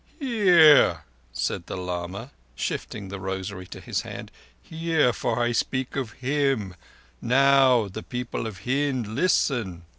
"Hear!" said the lama, shifting the rosary to his hand. "Hear: for I speak of Him now! O people of Hind, listen!"